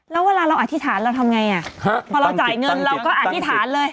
แล้วเวลาเราอธิษฐานเราทำไงอ่ะพอเราจ่ายเงินเราก็อธิษฐานเลย